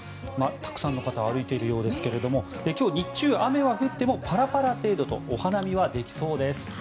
たくさんの方が歩いているようですが今日、日中雨は降ってもパラパラ程度とお花見はできそうです。